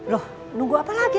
loh nunggu apa lagi